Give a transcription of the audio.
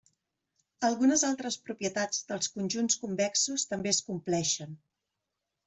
Algunes altres propietats dels conjunts convexos també es compleixen.